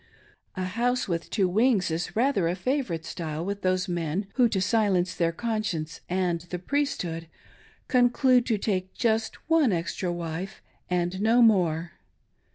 A house with two wings is rather a favorite style with those men, who, to silence their conscience and the priesthood, con clude to take "just one extra wife," and no more.